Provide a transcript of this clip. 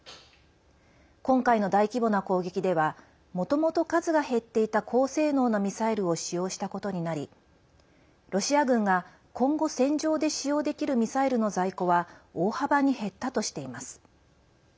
今回の大規模な攻撃ではもともと数が減っていた高性能なミサイルを使用したことになりロシア軍が今後、戦場で使用できるミサイルの在庫は大幅に減ったとしています。